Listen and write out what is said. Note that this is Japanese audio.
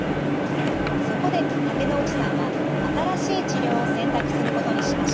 そこで竹之内さんは新しい治療を選択することにしました。